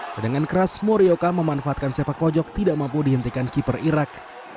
dengan keras morioka memanfaatkan sepak pojok tidak mampu dihentikan keeper irak